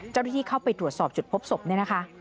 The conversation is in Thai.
เจ้าหน้าที่เข้าไปตรวจสอบจุดพบศพเนี่ยนะคะ